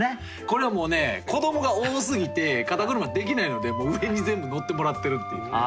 これはもうね子どもが多すぎて肩ぐるまできないので上に全部乗ってもらってるっていう。